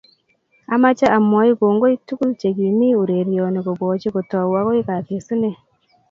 amoche amwoi kongoi tugul che ki mii urerioni kobochi kotou agoi kakesune